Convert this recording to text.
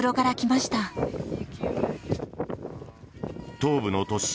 東部の都市